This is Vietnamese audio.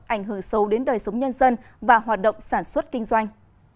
ảnh hưởng sâu đến đời sống nhân dân và hoạt động sản xuất kinh doanh